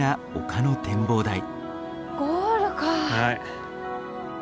はい。